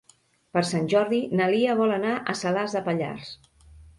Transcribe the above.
Per Sant Jordi na Lia vol anar a Salàs de Pallars.